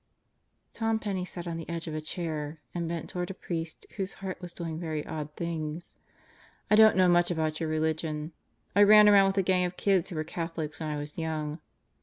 Tom Penney sat on the edge of a chair and bent toward a priest whose heart was doing very odd things. "I don't know much about your religion. I ran around with a gang of kids who were Catholics when I was young.